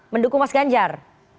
mendukung mas ganjar